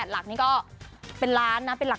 ๘หลักนี่ก็เป็นหลักน่ะ